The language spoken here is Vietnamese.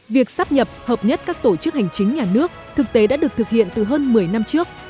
việc sắp nhập hợp nhất các tổ chức hành chính nhà nước thực tế đã được thực hiện từ hơn một mươi năm trước